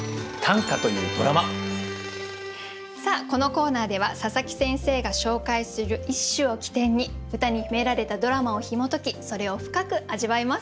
さあこのコーナーでは佐佐木先生が紹介する一首を起点に歌に秘められたドラマをひも解きそれを深く味わいます。